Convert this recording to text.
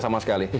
tidak sama sekali